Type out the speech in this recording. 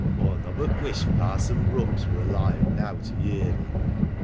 Aw nobbut wish Parson Brucks wur aloive neaw to yer thee."